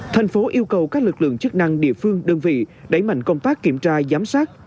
thành phố yêu cầu các lực lượng chức năng địa phương đơn vị đẩy mạnh công tác kiểm tra giám sát